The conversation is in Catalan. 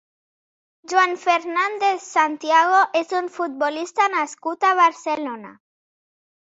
Juan Fernández Santiago és un futbolista nascut a Barcelona.